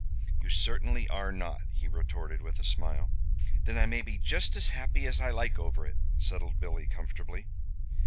"You certainly are not," he retorted, with a smile. "Then I may be just as happy as I like over it," settled Billy, comfortably.